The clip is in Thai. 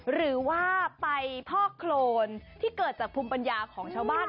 หรือว่าไปพอกโครนที่เกิดจากภูมิปัญญาของชาวบ้าน